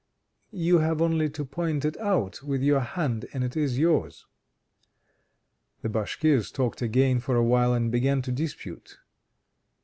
You have only to point it out with your hand and it is yours." The Bashkirs talked again for a while and began to dispute.